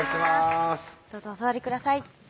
どうぞお座りください